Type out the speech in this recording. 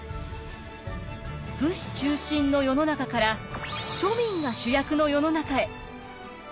武士中心の世の中から庶民が主役の世の中へ。